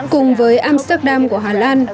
cùng với amsterdam của hà lan